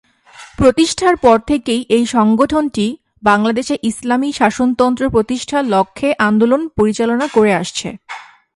প্রতিষ্ঠার পর থেকেই এই সংগঠনটি বাংলাদেশে ইসলামী শাসনতন্ত্র প্রতিষ্ঠার লক্ষ্যে আন্দোলন পরিচালনা করে আসছে।